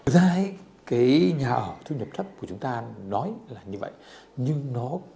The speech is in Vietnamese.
ra cái nhà ở thu nhập thấp của chúng ta nói là như vậy nhưng nó